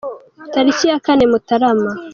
Tariki ya kane Mutarama